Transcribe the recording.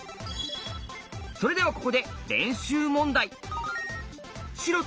それではここで練習問題。